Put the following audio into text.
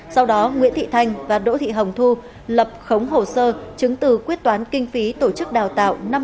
sau đó nguyễn thị thanh và đỗ thị hồng thu lập khống hồ sơ chứng từ quyết toán kinh phí tổ chức đào tạo